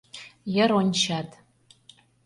Йыр ончат.